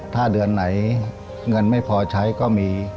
ถ้าเดือนไหนเงินไม่พอใช้ก็มี